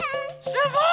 すごい！